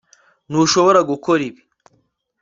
ntushobora gukora ibi